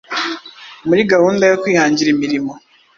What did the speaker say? muri gahunda yo kwihangira imirimo